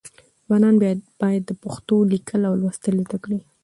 ځوانان باید پښتو لیکل او لوستل زده کړي.